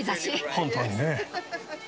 本当にね。